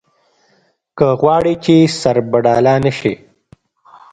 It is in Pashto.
که غواړې چې سربډاله نه شې.